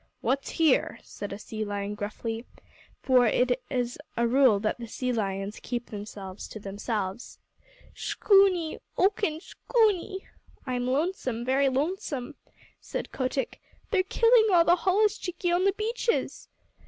"What's here?" said a sea lion gruffly, for as a rule the sea lions keep themselves to themselves. "Scoochnie! Ochen scoochnie!" ("I'm lonesome, very lonesome!") said Kotick. "They're killing all the holluschickie on all the beaches!"